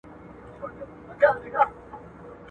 سندري د ملګرو له خوا اورېدلې کيږي،